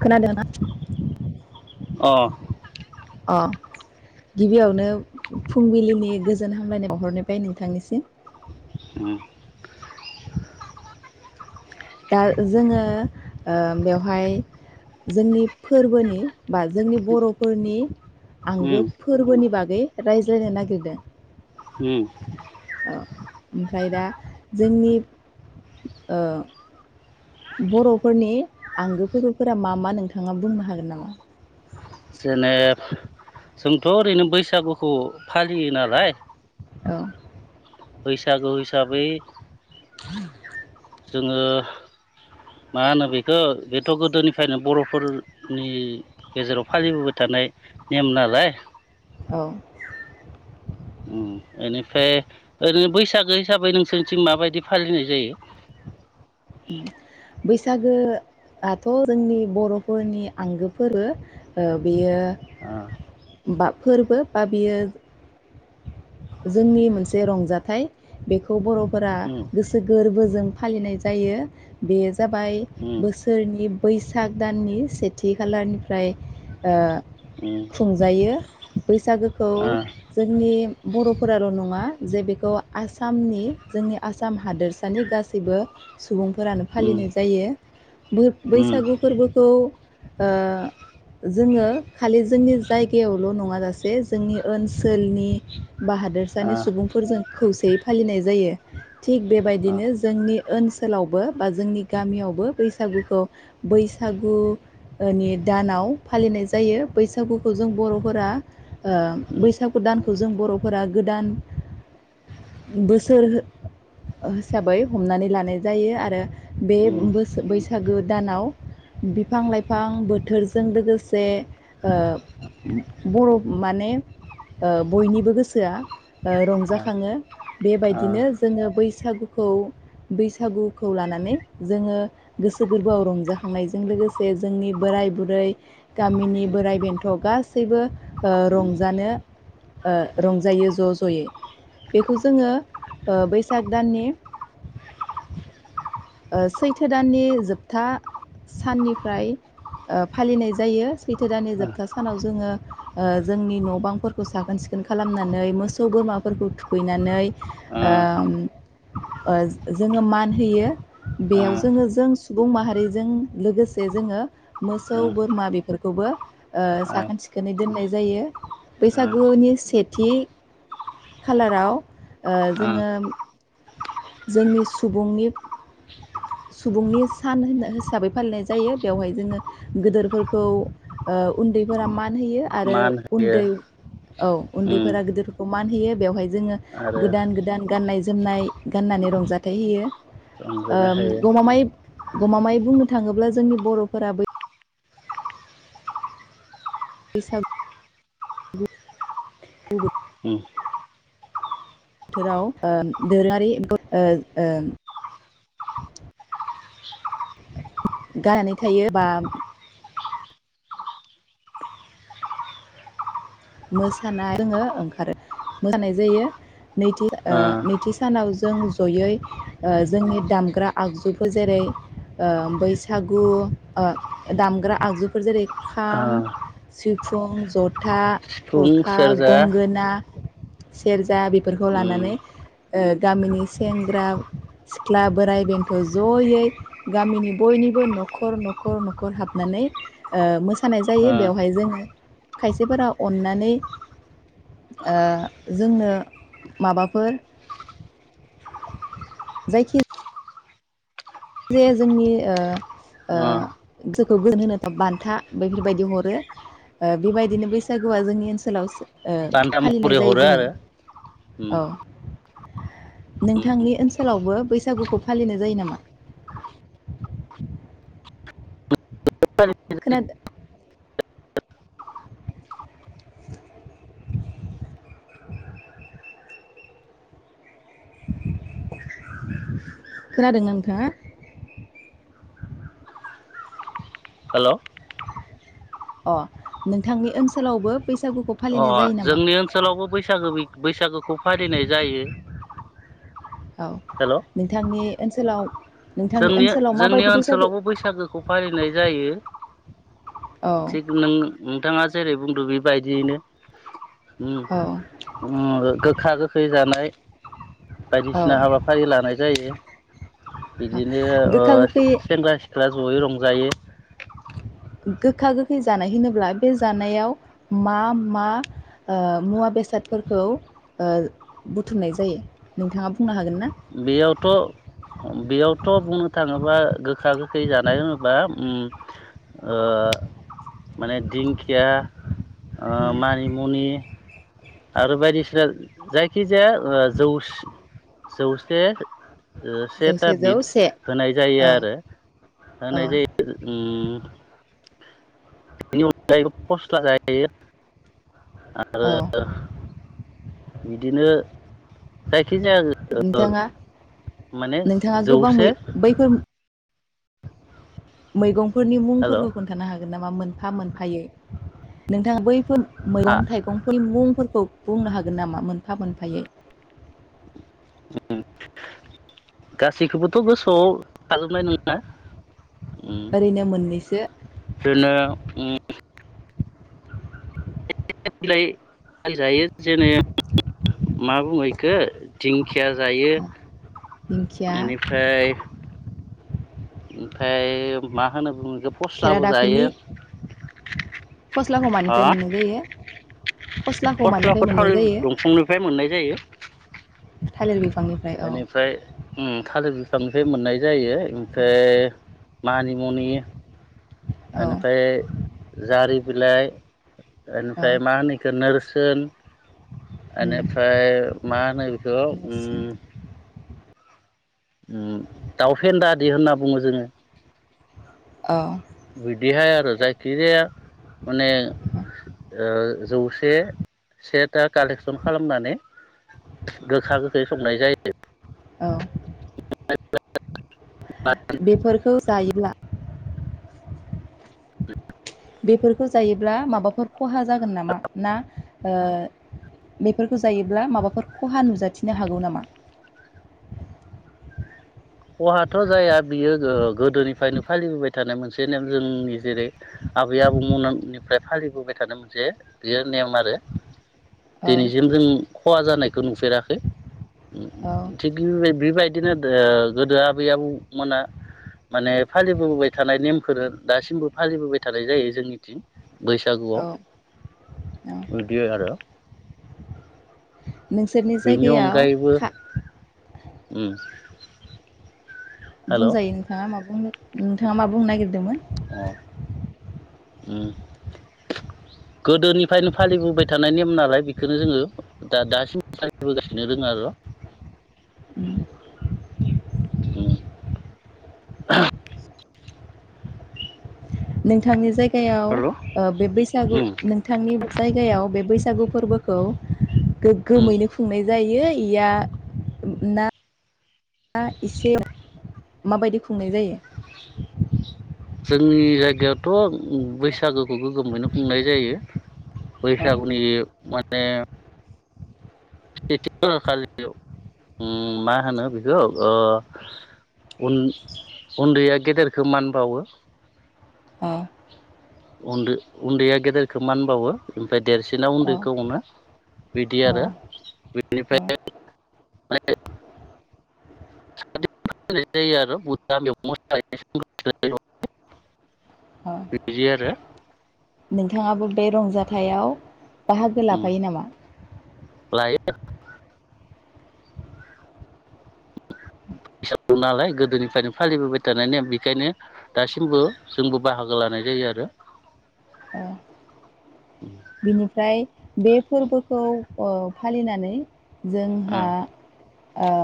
खोनादोंना? अ अ गिबियावनो फुंबिलिनि गोजोन हामलायनाय बहरनायबाय नोंथांनिसिम। ओम। दा जोङो बेवहाय जोंनि फोरबोनि बा जोंनि बरफोरनि। उम आंगो फोरबोनि बागै दै रायज्लायनो नागिरदों। ओम। औ ओमफ्राय दा जोंनि ओ। बरफोरनि आंगो फोरबोफोरा मा मा नोंथाङा बुंनो हागोन नामा? जेनेब जोंथ ओरैनो बैसागुखौ फालियो नालाय। औ। बैसागु हिसाबै। [inaudible] जोङो मा होनो बेखौ? बेथ गोदोनिफ्रायनो बरफोरनि गेजेराव फालिबोबाय थानाय नेम नालाय। औ। ओम इनिफ्राय ओरैनो बैसागो हिसाबै नोंसोरनिथिं माबायदि फालिनाय जायो? बैसागोआथ जोंनि बरफोरनि आंगो फोरबो, बेयो बा फोरबो, बा बियो जोंनि मोनसे रंजाथाइ बेखौ बर फोरा ओ गोसो गोरबोजों फालिनाय जायो। जायो बे जाबाय उम बोसोरनि बैसाग दाननि सेथि खालारनिफ्राय ओ उम खुंजायो बैसागोखौ उम ओ जोंनि बर'फोराल' नङा जे बेखौ आसामनि जोंनि आसाम हादोरसानि गासैबो सुबुंफोरानो उम फालिनाय जायो बो उम बैसागु फोरबोखौ ओ जोङो खालि जोंनि जायगायावल' नङाजासे जोंनि ओनसोलनि बा ओ हादोरसानि सुबुंफोरजों खौसे यै फालिनाय जायो। थिग बेबायदिनो जोंनि ओनसोलावबो बा जोंनि गामियावबो बैसागुखौ बैसागुनि दानाव फालिनाय जायो बैसागुखौ जों बर'फोरा ओ उम उम ओ उम बैसागु दान खौ जों बर'फोरा गोदान बोसोर हिसाबै हमनानै ला नाय जायो आरो बे उम ओ बोस बैसागो दानाव बिफां लाइफां बोथोरजों लोगोसे ओ बर' माने ओ बयनिबो गोसोआ ओ रंजाखाङो बेबायदिनो जोङो बैसागुखौ बैसागुखौ लानानै जोङो गोसो गोरबोआव रंजाखांनायजों लोगोसे जोंनि बोराइ बुरै गामिनि बोराइ बेन्थ' गासैबो ओ रंजानो ओ रंजायो ज' ज'यै बेखौ जोङो ओ बैसाग दाननि ओ सैथो दाननि जोबथा साननिफ्राय ओ फालिनाय जायो सैथो दाननि जोबथा सानाव जोङो ओ जोंनि न' बांफोरखौ साखोन सिखोन खालामनानै मोसौ बोरमाफोरखौ थुखैनानै ओ ओम ओ जोङो मान होयो ओ बेयाव जोङो जों सुबुं माहारिजों लोगोसे जोङो ओ मोसौ बोरमा बेफोरखौबो ओ साखोन सिखोनै दोननाय जायो ओ बैसागुनि सेथि खालाराव ओ जोङो जोंनि सुबुंनि सुबुंनि सान होन हिसाबै फालिनाय जायो बेवहाय जोङो गोदोरफोरखौ ओ उन्दैफोरा मान होयो आरो मान होयो उन्दै औ उम उन्दैफोरा गिदिरफोरखौ मान होयो बेवहाय जोङो आरो गोदान गोदान गाननाय जोमनाय गाननानै रंजाथाइ होयो ओ रंजानो होयो गमामायै गमामायै बुंनो थाङोब्ला जोंनि बर'फोरा बै [unintelligible] उम बोथोराव ओ दोरोङारि ओ ओ गाननानै थायो बा मोसानो जोङो ओंखारो मोसानाय जायो नैथि ओ नैथि सानाव जों जयै ओ जोंनि दामग्रा आगजुफोर जेरै- ओ बैसागु ओ दामग्रा आगजुफोर जेरै- खाम, ओ सिफुं, जथा, सिफुं थरखा, सेरजा गंगोना, सेरजा बेफोरखौ लानानै उम ओ गामिनि सेंग्रा सिख्ला बोराइ बेन्थ' जयै गामिनि बयनिबो न'खर न'खर न'खर हाबनानै ओ मोसानाय ओ जायो बेवहाय जोङो खायसेफोराव अननानै ओ जोंनो माबाफोर जायखि जाया जोंनि ओ ओ गोसोखौ गोजोन होनो बान्था बेफोरबायदि हरो ओ बेबायदिनो बैसागुआ जोंनि ओनसोलाव बान्था फालिनाय महरै जायो हरो जोङो आरो। ओम औ नोंथांनि ओनसोलावबो बैसागुखौ फालिनाय जायो नामा? खोनादो? [inaudible] खोनादों नोंथाङा? हेलौ अ नोंथांनि ओनसोलावबो बैसागुखौ अ फालिनाय जायो नामा जोंनि ओनसोलावबो बैसागो बैसागोखौ फालिनाय जायो। औ हेल' नोंथांनि ओनसोलाव नोंथांनि जोंनि ओनसोलाव जोंनि माबायदि बैसागु ओनसोलावबो बैसागोखौ फालिनाय जायो। औ थिग नों थाङा जेरै बुंदो बेबायदियैनो। ओम औ ओ गोखा गोखै जानाय औ बायदिसिना हाबाफारि लानाय जायो। बिदिनो ओ गोखा गोखै सेंग्रा सिख्ला ज'यै रंजायो। गोखा गोखै जानाय होनोब्ला बे जानायाव मा मा ओ मुवा बेसादफोरखौ ओ बुथुमनाय जायो नोंथाङा बुंनो हागोन ना? बेयावथ' ओ बेयावथ' बुंनो थाङोबा गोखा गोखै जानाय होनोबा ओम ओ माने दिंखिया ओ उम मानिमुनि आरो बायदिसिना जायखिजाया ओ जौस जौसे ओ जों सेथा सेजौ बिद से होनाय जायो औ आरो औ होनाय जायो ओम बेनि अनगायैबो फस्ला जायो। औ आरो बिदिनो जाय खिजाया नोंथाङा माने नोंथाङा गोबां मै जौसे मैगं फोरनि मुं हेल' फोरफोरखौ खोन्थानो हागोन नामा मोनफा मोनफायै नोंथांआ बैफोर हा मैगं थाइगंफोरनि मुं फोरखौ बुंनो हागोन नामा मोनफा मोनफायै? ओम गासैखौबोथ' गोसोआव थाजोबनाय नङा ओम ओरैनो मोननैसो बिदिनो ओम बिलाइ जायो जेने - मा बुङो बेखौ दिंखिया जायो। दिंखिया बेनिफ्राय ओमफाय मा होनो बुङो बे फस्लाबो खेरादाफिनि जायो। फस्लाखौ मानिफ्राय मोननाय जायो। फस्लाखौ मानिफ्राय फस्लाफोर मोननाय थालिर जायो दंफांनिफ्राय मोननाय जायो। थालिर बि इनिफ्राय ओम थालिर बि फांनिफ्राय मोननाय जायो। ओमफ्राय मानिमनि ओ औ इनिफ्राय जारि बिलाइ औ एनिफ्राय मा होनो इखो नोरस सोन। उम एनिफ्राय मा होनो बेखौ ओम नोरसिं ओम दाउ फेन्दा दि होनना बु बुङो जोङो औ। बिदिहाय आरो जायखिजाया माने ओ जौसे सेथा कालेकसन खालामनानै गोखा गोखै संनाय जायो। औ। बेफोरखौ जायोब्ला बेफोरखौ जायोब्ला माबाफोर खहा जागोन नामा ना ओ बेफोरखौ जायोब्ला माबाफोर खहा नुजाथिनो हागौ नामा? खहाथ' जाया बियो गोदोनिफ्रायनो फालिबोबाय थानाय मोनसे नेम जोंनि जेरै आबै आबौमोननिफ्राय फालिबोबाय थानाय मोनसे बियो नेम आरो औ दिनैसिम जों खहा जानायखौ नुफेराखै। उम औ उम थिग बिबाय बेबायदिनो दो गोदो आबै आबौमोना माने फालिबोबाय थानाय नेमखोनो दासिमबो फालिबोबाय थानाय जायो जोंनिथिं बैसागुआव औ औ बिदि आरो नोंसोरनि बेनि जायगायाव अनगायैबो खा उम। हेल' बुंजायो नोंथाङा मा बुंनो नोंथाङा मा बुंनो नागिरदोंमोन? ओ उम। गोदोनिफ्रायनो फालिबोबाय थानाय नेम नालाय बेखोनो जोङो दा दासिमबो फालिबोगासिनो दोङो आरो उम उम। नोंथांनि जायगा याव आरो ओ बे बैसागु उम उम नोंथांनि जायगायाव बे बैसा गु फोरबोखौ उम गोग्गोमैनो खुंनाय जायो या ना एसे माबायदि खुंनाय जायो? जोंनि जायगायावथ' बैसागोखौ गोगोमैनो खुंनाय जायो। औ बैसागुनि माने सेथि खालार खालि उम मा होनो बेखौ ओ उन-उन्दैया गेदेरखौ मानबावो। औ न-उन्दैया गेदेरखौ मान बावो ओमफ्राय देरसिना औ उन्दैखौ अनो बिदि औ आरो औ बेनिफ्राय आ [inaudible] नाय जायो आरो बा बिदि औ आरो [inaudible] नोंथाङाबो बे रंजाथाइयाव बाहागो लाफायो नामा लायो नालाय गोदोनिफ्रायनो फालिबोबाय थानायनि बेखायनो दासिमबो जोंबो बाहागो लानाय जायो आरो ओ बिनिफ्राय बे फोरबोखौ ओ फालिनानै जोंहा ओ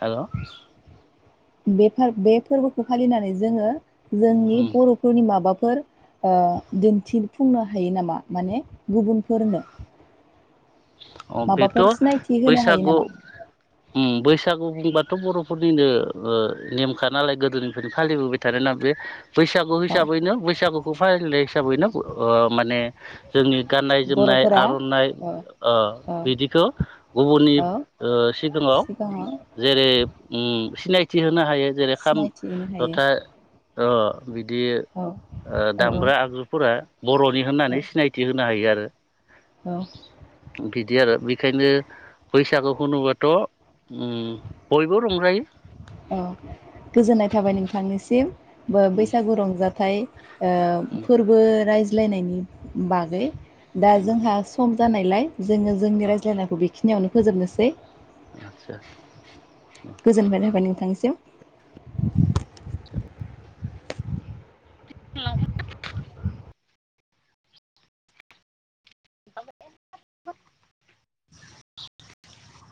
हेल बे बे फोरबोखौ फालिनानै जोङो जोंनि बरफोरनि माबाफोर फोर ओ दिन्थिफुंनो हायो नामा माने गुबुनफोरनो अ बेथ माबाफोर सिनायथि होनो हायो बैसागु नामा ओम बैसाग बैसागु बुंबाथ बरफोरनिनो ओ नेमखा नालाय गोदोनिफ्रायनो फालिबोबाय थानाय ना बे बैसागु औ हिसाबैनो बैसागुखौ फालिनाय हिसाबैनो ओ माने जोंनि गाननाय जोमनाय बर'फोरा आरनाइ औ ओ औ बिदिखौ गुबुननि औ ओ सिगाङाव जेरै ओम सिनायथि होनो हायो ओम जेरै खाम सिनायथि होनो हायो जथा औ बिदि ओ औ औ दामग्रा औ आगजुफोरा बर'नि होननानै सिनायथि होनो हायो आरो औ औ बिदि आरो बेखायनो बैसागु होनोबाथ' ओ बयबो रंजायो औ गोजोननाय थाबाय नोंथांनिसिम उम बैसागु रंजाथाइ ओ उम फोरबो रायजो [unintelligible] लायनायनि बागै दा उम जोंहा सम जानायलाय जोङो जोंनि रायज्लायनायखौ बेखिनियावनो फोजोबनोसै आतसा गोजोननाय थाबाय नोंथांनिसिम [unintelligible] [unintelligible] [unintelligible]